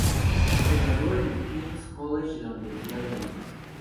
Se graduó en el King's College de la Universidad de Londres.